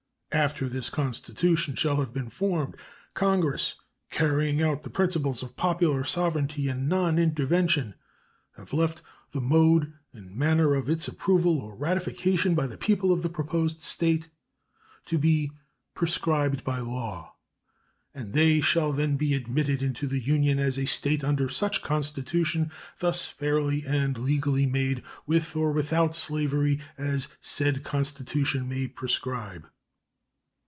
After this constitution shall have been formed, Congress, carrying out the principles of popular sovereignty and nonintervention, have left "the mode and manner of its approval or ratification by the people of the proposed State" to be "prescribed by law," and they "shall then be admitted into the Union as a State under such constitution, thus fairly and legally made, with or without slavery, as said constitution may prescribe."